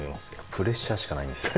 プレッシャーしかないんですよ。